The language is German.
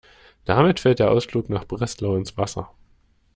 Damit fällt der Ausflug nach Breslau ins Wasser.